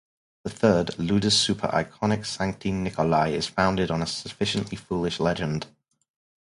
The third, "Ludus super iconic Sancti Nicholai", is founded on a sufficiently foolish legend.